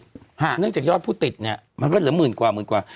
เนื่องจากยอดผู้ติดเนี้ยมันก็เหลือหมื่นกว่าหมื่นกว่า